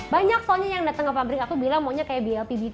banyak soalnya yang datang ke pabrik aku bilang maunya kayak blpbt